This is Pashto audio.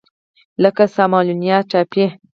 لکه سالمونیلا ټایفي.